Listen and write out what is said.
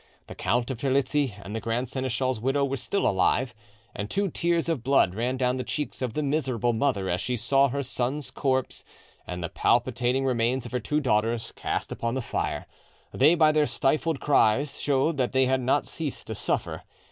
The Count of Terlizzi and the grand seneschal's widow were still alive, and two tears of blood ran down the cheeks of the miserable mother as she saw her son's corpse and the palpitating remains of her two daughters cast upon the fire—they by their stifled cries showed that they had not ceased to suffer.